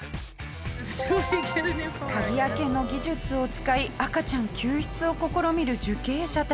鍵開けの技術を使い赤ちゃん救出を試みる受刑者たち。